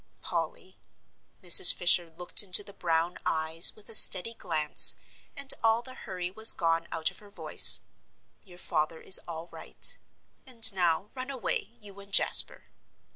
"Polly," Mrs. Fisher looked into the brown eyes with a steady glance, and all the hurry was gone out of her voice, "your father is all right. And now, run away, you and Jasper."